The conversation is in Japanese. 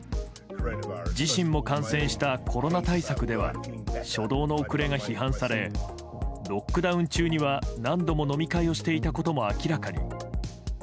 自身も感染したコロナ対策では初動の遅れが批判されロックダウン中には何度も飲み会をしていたことも明らかに。